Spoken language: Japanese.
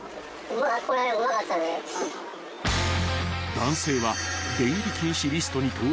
［男性は］